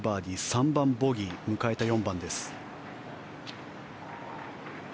３番、ボギー迎えた４番です。